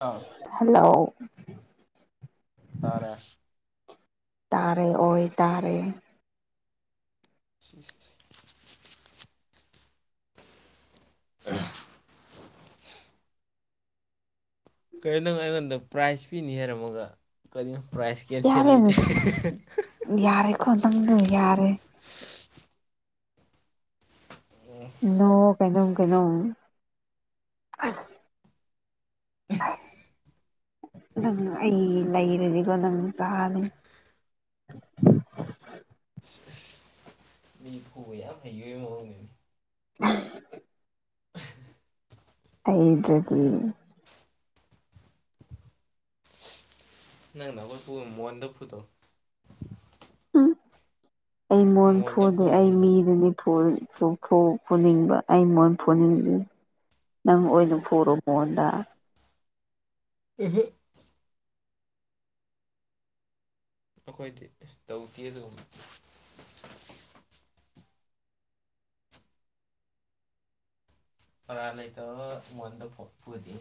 ꯑꯥ [unintelligible] [inaudible] hello ꯇꯔꯦ ꯇꯥꯔꯦ ꯑꯣꯏ ꯇꯥꯔꯦ ꯁꯨꯁ [unintelligible] [inaudible] ꯀꯩꯅꯣ ꯅꯪ ꯑꯩꯉꯣꯟꯗ ꯄ꯭ꯔꯥꯏꯖ ꯄꯤꯅꯤ ꯍꯥꯏꯔꯝꯃꯒ ꯀꯔꯤꯅꯣ ꯄ꯭ꯔꯥꯏꯖ ꯀꯦꯟꯁꯦꯜ ꯌꯥꯔꯦ ꯂꯩꯇꯦ ꯌꯥꯔꯦꯀꯣ ꯅꯪꯗꯣ ꯌꯥꯔꯦ ꯅꯣ ꯀꯩꯅꯣꯧ ꯀꯩꯅꯣꯧ ꯅꯪ ꯑꯩ ꯂꯩꯔꯗꯤꯀꯣ ꯅꯪ ꯆꯥꯅꯤ ꯁ [unintelligible] [inaudible] ꯃꯤꯚꯜ [unintelligible] [inaudible] ꯌꯥꯝ ꯍꯩꯕꯩ ꯃꯥꯑꯣꯡꯅꯤꯅꯦ ꯎ [unintelligible] [inaudible] ꯍꯗ꯭ꯔꯗꯤ ꯅꯪꯅ ꯍꯣꯏ ꯃꯣꯟꯗ ꯐꯨꯗꯣ ꯎꯝ ꯑꯩ ꯃꯣꯟ ꯃꯣꯟꯗ ꯐꯨꯗꯦ ꯐꯨ ꯑꯩ ꯃꯤꯗꯅꯤ ꯐꯨ ꯐꯨꯅꯤꯡꯕ ꯑꯩ ꯃꯉꯣꯟ ꯄꯨꯨꯅꯤꯡꯗꯦ ꯅꯪ ꯑꯣꯏꯅ ꯄꯨꯔꯣ ꯃꯣꯟꯗ ꯏꯁꯤ [unintelligible] [inaudible] ꯑꯩꯈꯣꯏꯗꯤ ꯇꯧꯗꯦ ꯑꯗꯨꯒꯨꯝꯕ ꯃꯔꯥꯜ ꯂꯩꯇꯕꯥ ꯃꯣꯟꯗ ꯐꯣꯟ ꯐꯨꯗꯦ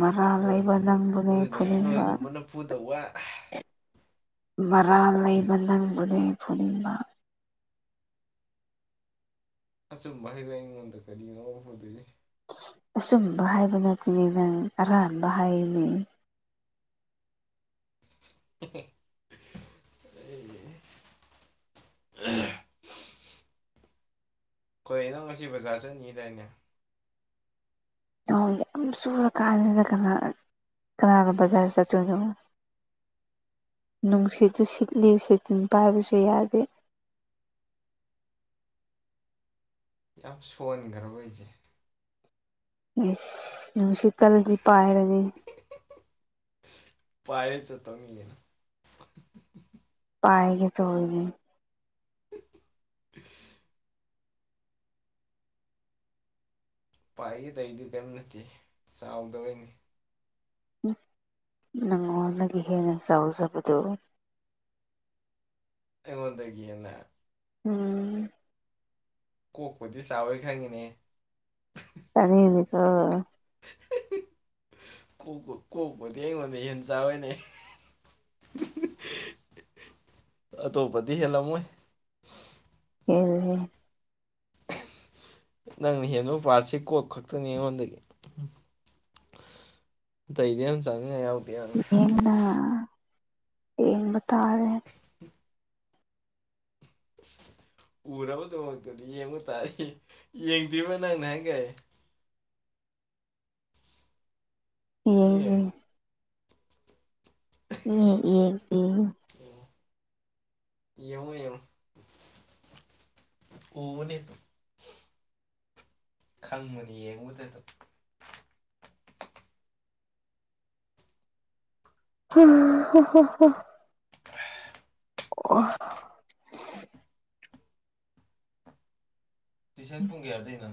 ꯃꯔꯥꯜ ꯂꯩꯕ ꯅꯪꯕꯨꯅꯦ ꯅꯣꯏꯒꯨꯝꯕꯅ ꯐꯨꯅꯤꯡꯕ ꯅꯣꯏꯒꯨꯝꯕꯅ ꯄꯨꯗ ꯋꯥ ꯕꯔꯥ ꯂꯩꯕ ꯅꯪꯕꯨꯔꯦꯟ ꯐꯨꯔꯤꯕ ꯑꯆꯨꯝꯕ ꯍꯥꯏꯕ ꯑꯩꯉꯣꯟꯗ ꯀꯔꯤꯒꯤꯅꯣ ꯎ ꯐꯗꯏ ꯑꯁꯨꯝꯕ ꯍꯥꯏꯕ ꯅꯠꯇꯅꯤ ꯅꯪ ꯑꯔꯥꯟꯕ ꯍꯥꯏꯔꯤꯅꯤ ꯎꯦ [unintelligible] [inaudible] ꯑꯩꯣꯏ ꯅꯪ ꯉꯁꯤ ꯕꯖꯥꯔ ꯆꯠꯅꯤꯗꯏꯅꯦ ꯅ ꯌꯥꯝ ꯆꯨꯔꯀꯥꯟꯁꯤꯗ ꯀꯅꯥ ꯀꯅꯥꯗ ꯕꯖꯥꯔ ꯆꯠꯇꯣꯏꯅꯣꯅꯣ ꯅꯨꯡꯁꯤꯠꯠꯇ ꯁꯤꯠꯂꯤ ꯁꯤ ꯇꯤꯟ ꯄꯥꯏꯕꯁꯨ ꯌꯥꯗꯦ ꯌꯥꯝ ꯁꯣꯟꯈ꯭ꯔꯕ ꯑꯩꯁꯦ ꯏꯁꯁ ꯅꯨꯡꯁꯤꯠꯀꯜꯗꯤ ꯄꯥꯏꯔꯅꯤ ꯄꯌꯦ ꯆ ꯇ ꯃꯤꯒꯤꯅ ꯄꯥꯏꯒ ꯇꯧꯔꯤꯅꯤ [unintelligible] [inaudible] ꯄꯥꯏꯒꯦ ꯇꯩꯗꯨ ꯀꯔꯤꯝ ꯅꯠꯇꯦ ꯆꯥꯎꯗꯕꯩꯅꯤ ꯅꯪꯉꯣꯟꯗꯒꯤ ꯍꯦꯟꯅ ꯆꯥꯎꯖꯕꯗꯨ ꯑꯩꯉꯣꯟꯗꯒꯤꯅ ꯎꯝ ꯀꯣꯛꯄꯨꯗꯤ ꯆꯥꯎꯥꯋꯣꯏ ꯈꯪꯉꯤꯅꯦ ꯇꯅꯤꯅꯤꯀꯣ ꯀꯣꯛ ꯀꯣꯛꯄꯗꯤ ꯑꯩꯉꯣꯟꯗ ꯍꯟ ꯆꯥꯔꯣꯏꯅꯦ ꯑꯇꯣꯞꯄꯗꯤ ꯍꯦꯜꯂꯝꯃꯣꯏ ꯎ [unintelligible] [inaudible] ꯅꯪꯅ ꯍꯦꯟꯕ ꯄꯥꯔꯁꯤ ꯀꯣꯛ ꯈꯛꯇꯅꯤ ꯑꯩꯉꯣꯟꯗꯒꯤ ꯑꯇꯩꯗꯤ ꯌꯥꯝ ꯆꯪꯉꯦ ꯌꯦ ꯌꯦꯕꯇꯥꯔꯦ ꯎꯝ ꯁꯤ ꯎꯔꯕꯗꯨꯃꯛꯇꯨꯗꯤ ꯌꯦꯡꯕ ꯇꯥꯏ ꯌꯦꯡꯗ꯭ꯔꯤꯕ ꯅꯪ ꯅ ꯍꯥꯏꯪ ꯀꯦ ꯌꯦ ꯑꯦ [unintelligible] [inaudible] ꯌꯦ ꯌꯦ ꯌꯦ ꯑꯣ ꯌꯦꯉ ꯌ [inaudible] [unintelligible] ꯑꯣꯅꯦ ꯈꯪꯕꯅꯤ ꯌꯦꯡꯕꯗ ꯑꯗꯨꯝ ꯎꯝ ꯍ ꯑꯣ ꯇꯨꯏꯁꯟ ꯄꯨꯡ ꯀꯌꯥꯗꯅꯣ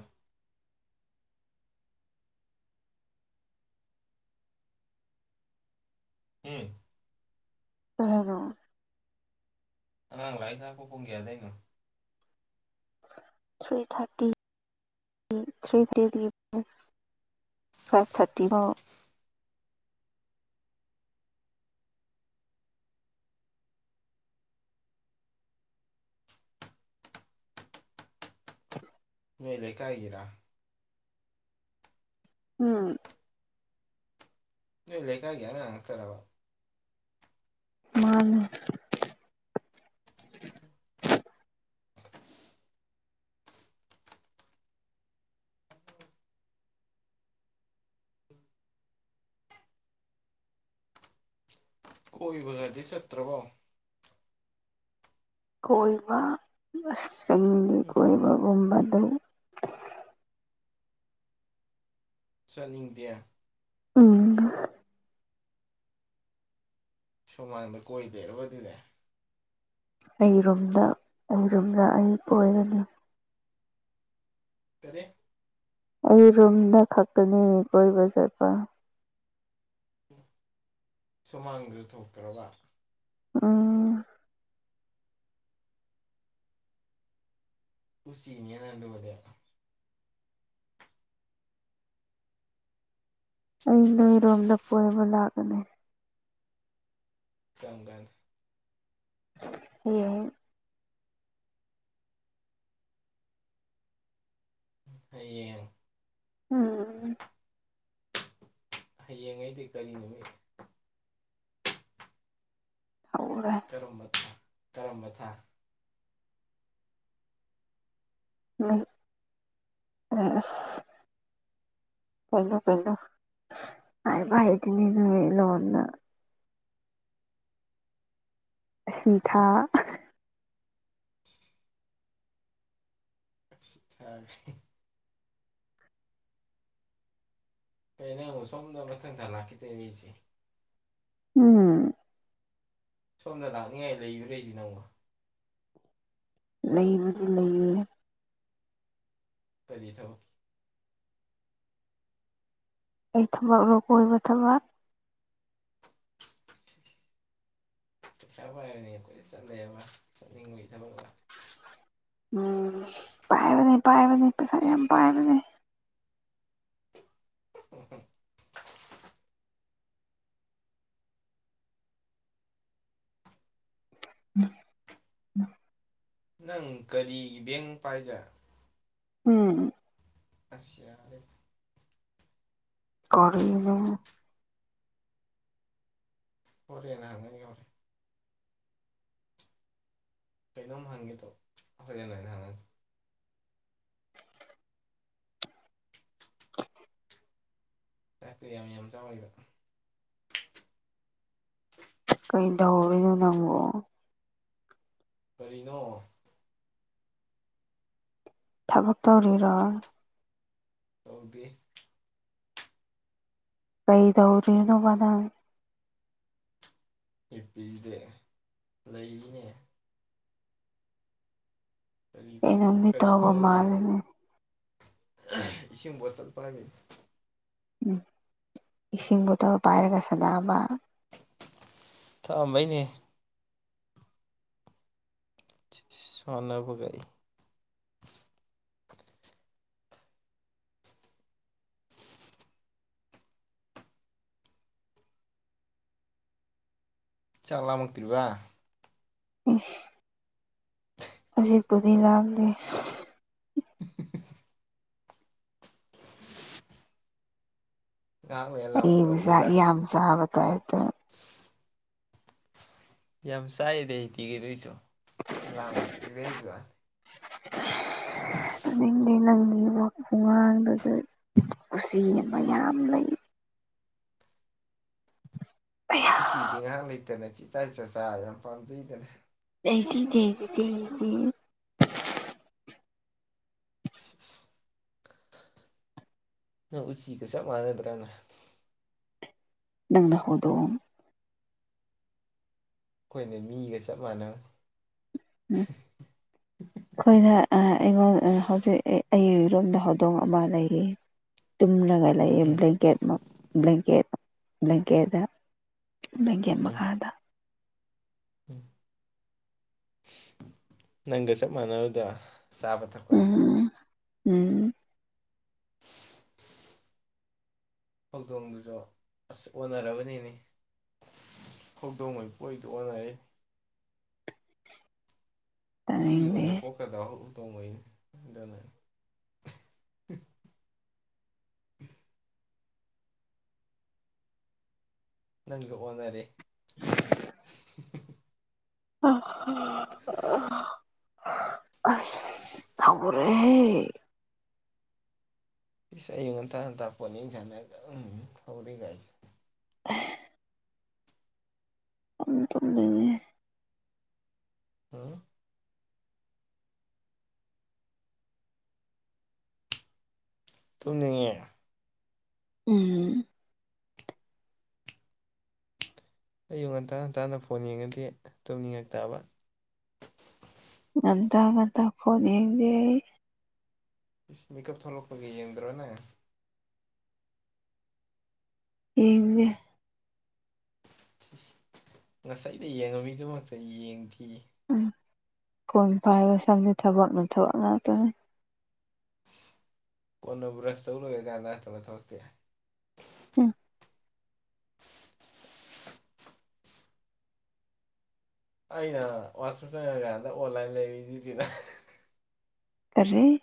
ꯎꯝ [unintelligible] [inaudible] ꯑ [unintelligible] [inaudible] ꯑꯉꯥꯡ ꯂꯥꯏ ꯊꯥꯛꯄ ꯄꯣꯡꯒꯌꯥꯗꯏꯩꯅꯣ ꯊ꯭ꯔꯤ ꯊꯥꯔꯇꯤ ꯊ꯭ꯔꯤ ꯊ꯭ꯔꯤꯗꯒꯤ ꯐꯥꯏꯚ ꯊꯔꯇꯤ ꯐ [inaudible] ꯅꯣꯏ ꯂꯩꯀꯥꯏꯒꯤꯔꯥ ꯎꯝ [unintelligible] [inaudible] ꯕꯦꯒꯤꯅ ꯍꯥꯥꯛ ꯇꯔꯂ ꯃꯥ [unintelligible] [inaudible] ꯀꯣꯏꯕꯗꯤ ꯆꯠꯇ꯭ꯔꯚꯣ ꯀꯣꯏꯕ ꯆꯤꯡꯒꯤ ꯀꯣꯏꯕꯒꯨꯝꯕ ꯑꯗꯨ ꯆꯠꯅꯤꯡꯗꯦ ꯎꯝ [unintelligible] [inaudible] ꯁꯨꯃꯥꯡꯗ ꯀꯣꯏꯗꯦꯔꯕ ꯑꯗꯨꯅꯦ ꯑꯩꯔꯨꯝꯗ ꯑꯩꯔꯨꯝꯝꯗ ꯑꯩ ꯑꯣꯏꯒꯅꯤ ꯀꯔꯤꯦ ꯑꯩ ꯔꯨꯝꯗ ꯈꯛꯇꯅꯤ ꯀꯣꯏꯕ ꯆꯠꯄ ꯁꯃꯒ꯭ꯇ ꯀ꯭ꯔꯔꯕ [inaudible] ꯎꯥ [unintelligible] [inaudible] ꯎꯁꯤꯅꯤꯅ ꯃꯗ [inaudible] ꯑꯩ ꯅꯣꯏꯔꯣꯝꯗ ꯀꯣꯏꯕ ꯂꯥꯛꯀꯅꯤ [inaudible] ꯪꯒꯥꯜ ꯍ ꯍꯌꯦꯡ ꯎꯝ ꯍꯌꯦꯡꯉꯩꯗꯤ ꯀꯔꯤ ꯅꯨꯃꯤꯠ ꯍꯔ [unintelligible] [inaudible] ꯀꯔꯝꯕ ꯃꯊꯥ ꯀꯔꯝꯕ ꯃꯊꯥ [inaudible] ꯎꯝ ꯎ ꯀꯩꯅꯣ ꯀꯩꯅꯣ ꯍꯥꯏꯕ ꯍꯥꯏꯇꯅꯤ ꯑꯗꯨ ꯂꯣꯅ ꯑꯁꯤ ꯊꯥ ꯑ [unintelligible] [inaudible] ꯀꯩꯩꯅꯨ ꯁꯗꯣ ꯅ ꯊꯂ ꯀꯈꯤꯗꯁꯤ [inaudible] ꯎꯝ ꯁꯣꯝꯅ ꯂꯥꯛꯅꯤꯡꯉꯥꯏ ꯂꯩꯕꯨꯔꯔꯤꯁꯤ ꯅꯪꯃ ꯂꯩꯕꯨꯗꯤ ꯂꯩꯌꯦ ꯀꯔꯤ ꯊꯧ ꯑꯩ ꯊꯕꯛ ꯂꯨ ꯀꯣꯏꯕ ꯊꯕꯛ ꯄꯩꯁꯥ ꯄꯥꯏꯔꯅꯤ ꯑꯩꯈꯣꯏꯗ ꯆꯠꯅꯩꯌꯦꯕ ꯆꯠꯅꯤꯡꯕꯒꯤ ꯊꯕꯛ ꯎꯝ ꯄꯥꯏꯕꯅꯤ ꯄꯥꯏꯕꯅꯤ ꯄꯩꯁꯥ ꯌꯥꯝ ꯄꯥꯏꯕꯅꯤ ꯎꯝ ꯅꯪ ꯀꯔꯤꯒꯤ ꯕꯦꯡ ꯄꯥꯏꯒ ꯎꯝ ꯑꯁ ꯌꯥ ꯀꯔꯤꯅꯣ ꯍ‌ꯣꯔ‌ꯦꯟ [unintelligible] ꯀꯩꯅꯣꯝ ꯍꯪꯒꯦ ꯇꯧ ꯍꯣꯔꯦꯟ ꯑꯣꯏꯅ ꯍꯪꯉꯒꯦ ꯆꯥꯛꯇ‌ꯣ ꯌꯥꯝ ꯌꯥꯝ ꯆꯥꯎ ꯍꯥꯏꯕ ꯀꯩꯗꯧꯔꯤꯅꯣ ꯅꯪꯕꯣ ꯀꯔꯤꯅꯣ ꯊꯕꯛ ꯇꯧꯔꯤꯔꯣ ꯇꯧꯗꯦ ꯀꯩꯗꯧꯔꯤꯅꯣꯕ ꯅꯪ [unintelligible] ꯄꯤꯖ‌ꯦ ꯂꯩꯕꯅꯦ ꯀꯔꯤ ꯇꯧꯗꯣ ꯀꯩꯅꯣꯝꯗꯤ ꯀꯔꯤ ꯇꯧꯕ ꯇꯧ ꯃꯥꯜ ꯃꯥꯜꯂꯤꯅꯦ [unintelligible] ꯏꯁꯤꯡ ꯕꯣꯇꯜ ꯄꯥꯏꯕꯩ ꯏꯁꯤꯡ ꯕꯣꯇꯜ ꯄꯥꯏꯔꯒ ꯁꯥꯟꯅꯕ ꯊꯑꯝꯕꯩꯅꯦ ꯏꯁ ꯁꯅꯕꯨꯒꯥꯏ ꯆꯥꯛ ꯂꯥꯝꯃꯛꯇ꯭ꯔꯤꯕ ꯏꯁ ꯍꯧꯖꯤꯛꯄꯨꯗꯤ ꯂꯥꯝꯗꯦ [unintelligible] ꯉꯥꯏꯍꯥꯛ ꯂꯩꯔ ꯑꯩꯕꯨ ꯆꯥꯛ ꯂꯥꯝꯃꯛꯇꯧꯔꯤꯕ꯭ꯔꯥ ꯌꯥꯝ ꯆꯥꯕꯩ ꯇꯥꯏꯞꯇ ꯌꯥꯝ ꯆꯥꯏꯗ ꯊꯤꯒꯦ [unintelligible] [inaudible] [unintelligible] ꯀꯨꯁꯤ ꯑꯃ ꯌꯥꯝ ꯂꯩ ꯑꯌꯥ ꯎꯁꯤꯗꯤ ꯉꯥꯏꯍꯥꯛ ꯂꯩꯇꯅ ꯆꯤꯆꯥ ꯆꯤꯆꯥ ꯆꯥꯔ ꯌꯥꯝ ꯄꯥꯝꯖꯩꯗꯅ [unintelligible] [inaudible] ꯅꯪ ꯎꯆꯤꯒ ꯆꯞ ꯃꯥꯥꯟꯅꯗ꯭ꯔꯅ‌ꯦ ꯅꯪꯅ ꯍꯧꯗꯣꯡ ꯑꯩꯈꯣꯏꯅ ꯃꯤꯒ ꯆꯞ ꯃꯥꯟꯅꯝ ꯎꯝ ꯑꯩꯈꯣꯏꯅ ꯑꯥ ꯑꯩꯉꯣꯟ ꯑꯥ ꯍꯧꯖꯤꯛ ꯑꯩꯔꯣꯝꯗ ꯍꯧꯗꯣꯡ ꯑꯃ ꯂꯩꯔꯤ ꯇꯨꯝꯂꯒ ꯂꯩꯌꯦ ꯎꯝ ꯕ꯭ꯂꯀꯦꯗ ꯃꯥ ꯕ꯭ꯂꯪꯀꯦꯠ ꯕ꯭ꯂꯪꯀꯦꯗ ꯇꯨꯝꯃꯥꯒ‌ꯦ ꯎꯝ ꯃꯈꯥꯗ ꯎꯝ ꯅꯪꯒ ꯆꯞ ꯃꯥꯟꯅꯕꯗ‌ꯣ ꯆꯥꯕ ꯊꯛꯄ ꯎꯝ ꯎꯝ ꯍꯧꯗꯣꯡꯗꯨꯖꯨ ꯑꯁ ꯑꯣꯟꯅꯔꯕꯅꯤꯅ‌ꯦ ꯍꯧꯗꯣꯡ ꯑꯣꯏ ꯄꯣꯛꯏꯗ‌ꯣ [unintelligible] ꯎꯁꯤ ꯑꯣꯏꯅ ꯇꯥꯅꯤꯡꯗꯦ ꯄꯣꯛꯀꯗꯕ ꯍꯨꯇꯣꯡ ꯑꯣꯏꯅ ꯑꯗꯨꯅ ꯅꯪꯒ ꯑꯣꯟꯅꯔꯦ [unintelligible] ꯑꯁ ꯊꯧꯒ‌ꯔꯦꯍ‌ꯦ ꯏꯁ ꯑꯌꯨꯛ ꯉꯟꯇꯥ ꯉꯟꯇꯥ ꯐ‌ꯣꯟ ꯌ‌ꯦꯡ ꯁꯥꯟꯅꯔꯒ ꯎꯝ ꯐꯥꯎꯔꯤ ꯀꯥꯏꯁꯦ [unintelligible] [unintelligible] ꯇꯨꯝꯗ‌ꯣꯏꯅ‌ꯦ ꯍꯥꯥ ꯇꯨꯝꯅꯤꯡꯉꯦ ꯎꯝ ꯑꯌꯨꯛ ꯉꯟꯇꯥ ꯉꯟꯇꯥꯅ ꯐꯣꯟ ꯌꯦꯡꯉꯗꯤ ꯇꯨꯝꯅꯤꯡꯉꯛ ꯇꯥꯕ ꯉꯟꯇ ꯉꯟꯇ ꯐꯣꯟ ꯌꯦꯡꯗꯦ ꯑꯩ ꯏꯁ ꯃꯦꯀꯞ ꯊꯣꯛꯂꯛꯄꯒꯤ ꯌꯦꯡꯗ꯭ꯔꯣꯅꯦ ꯌꯦꯡꯗꯦ ꯏꯁ ꯉꯁꯥꯏꯗ ꯌꯦꯡꯉꯝꯃꯤꯗꯨꯃꯛꯇ ꯌꯦꯡꯗ‌ꯦꯌ‌ꯦ ꯎꯝ ꯐꯣꯟ ꯄꯥꯏꯕ ꯁꯪꯗꯦ ꯊꯕꯛꯅ ꯊꯕꯛ ꯉꯥꯛꯇꯅꯤ ꯀꯣꯟꯅ ꯕ꯭ꯔꯁ ꯇꯧ ꯂ‌ꯣꯏꯔꯀꯥꯟꯗ ꯇꯧꯕ ꯊꯕꯛꯇꯤ ꯎꯝ ꯑꯩꯅ ꯋꯥꯆꯞ ꯆꯪꯉꯀꯥꯟꯗ ꯑꯣꯟꯂꯥꯏꯟ ꯂꯩꯔꯤꯗꯨꯁꯤꯅ ꯀꯔꯤꯔꯤ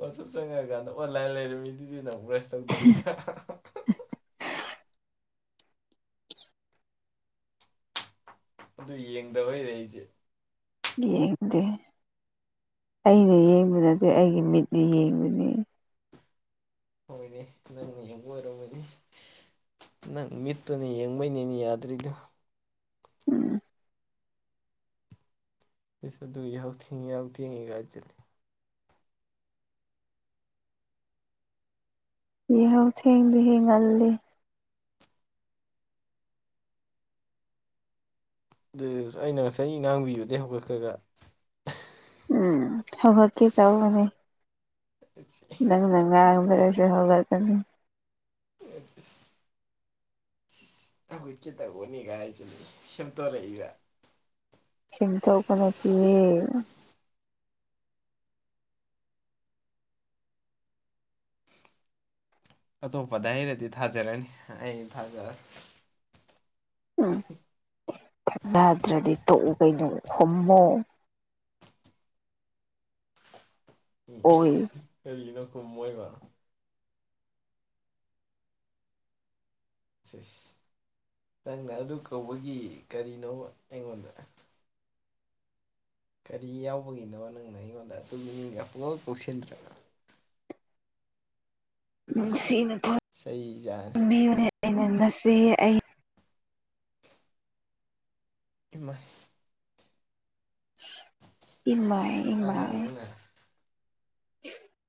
ꯋꯥꯆꯞ ꯆꯪꯉꯛꯑꯀꯥꯟꯗ ꯑꯣꯟꯂꯥꯏꯟ ꯂꯩꯔꯝꯃꯤꯗꯨꯗꯤ ꯅꯪ ꯕ꯭ꯔꯁ ꯇꯧꯗꯣꯏꯗ [inaudible] ꯑꯗꯨ ꯌꯦꯡꯗꯕ ꯍꯩꯔ ꯑꯩꯁꯦ ꯌꯦꯡꯗꯦ ꯑꯩꯅ ꯌꯦꯡꯕ ꯅꯠꯇꯦ ꯑꯩꯒꯤ ꯃꯤꯠꯅ ꯌꯦꯡꯕꯅꯤ꯫ ꯍꯣꯏꯅꯦ ꯅꯪꯅ ꯌꯦꯡꯕ ꯑꯣꯏꯔꯝꯃꯅꯤ꯫ ꯅꯪ ꯃꯤꯠꯇꯨꯅꯦ ꯌꯦꯡꯕꯩꯅꯦꯅꯤ ꯌꯥꯗ꯭ꯔꯤꯗꯨ ꯎꯝ ꯄꯤꯁ ꯑꯗꯨ ꯌꯥꯎ ꯊꯦꯡꯉꯤ ꯌꯥꯎ ꯊꯦꯡꯉꯤꯒꯥꯏ ꯍꯥꯏꯖꯤꯜꯂꯦ꯫ ꯏꯍꯧ ꯊꯦꯡꯗꯤ ꯍꯦꯟꯒꯜꯂꯤ꯫ ꯑꯗꯨ ꯑꯩꯅ ꯉꯁꯥꯏ ꯉꯥꯡꯕꯤꯌꯨꯗꯒꯤꯩ ꯍꯧꯒꯠꯈ꯭ꯔꯒ ꯎꯝ ꯍ ꯍꯣꯏ ꯀ ꯇꯧꯅꯦ꯫ ꯅꯪ ꯅꯪꯒꯗ꯭ꯔꯣꯁꯤ ꯍꯒꯠ꯭ꯛꯅꯤ꯫ [inaudible] ꯍꯥꯎꯒꯠꯀꯦ ꯇꯦꯕꯅꯦ ꯀꯥꯏꯅꯥ ꯁꯦꯝꯗꯣꯔꯛ ꯏꯕꯥ ꯁꯦꯝꯝꯗꯣꯀꯞ ꯅꯠꯇꯌꯦ꯫ ꯑꯇꯣꯞꯄꯗ ꯑꯩꯔꯗꯤ ꯊꯥꯖꯔꯅꯤ ꯑꯩ ꯊꯥꯖꯔꯦ꯫ ꯎꯝ ꯊꯛꯖꯗ꯭ꯔꯗꯤ ꯇꯣꯛꯎ ꯀꯩꯅꯣ ꯍꯝꯃꯣ꯫ ꯑꯣꯏ ꯀꯩꯒꯤꯅꯣ ꯈꯨꯃꯣꯏꯕ ꯁꯁ ꯅꯪꯅ ꯑꯗꯨ ꯀꯧꯕꯒꯤ ꯀꯔꯤꯅꯣ ꯑꯩꯉꯣꯟꯗ ꯀꯔꯤ ꯌꯥꯎꯕꯒꯤꯅꯣ ꯅꯪꯅ ꯑꯩꯉꯣꯟꯗ ꯑꯗꯨ ꯃꯤꯅꯤꯡꯒ ꯄꯨꯨꯡ ꯀꯣꯛꯁꯤꯟꯗ꯭ꯔꯅ ꯅꯣꯡꯁꯤꯅꯥ ꯆꯩ ꯆꯅꯤ꯫ ꯃꯤ ꯑꯣꯏꯅ ꯑꯩꯅꯟꯅꯁꯤ ꯑꯩ ꯏꯃꯥꯏ ꯏꯃꯥꯏ ꯏꯃꯥꯏ ꯑꯉꯥꯡ ꯅꯪꯅ [inaudible]